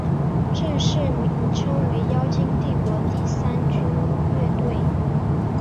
正式名称为妖精帝国第三军乐队。